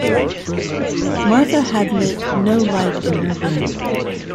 Marthe had lit no light in her room.